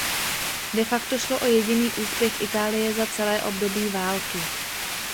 De facto šlo o jediný úspěch Itálie za celé období války.